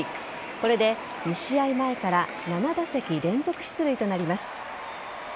これで２試合前から７打席連続出塁となります。